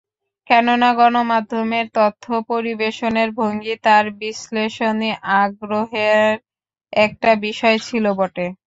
কেননা গণমাধ্যমের তথ্য পরিবশনের ভঙ্গি তাঁর বিশ্লেষণী আগ্রহের একটা বিষয় ছিল বটে।